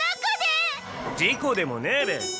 事故でもねえべ！